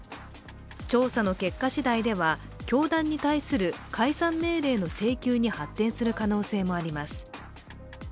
調査の結果しだいでは、教団に対する解散命令の請求に発展する可能性もあります。